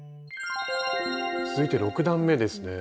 続いて６段めですね。